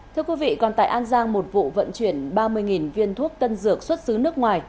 thưa quý vị còn tại an giang một vụ vận chuyển ba mươi viên thuốc tân dược xuất xứ nước ngoài